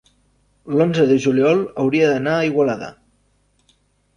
l'onze de juliol hauria d'anar a Igualada.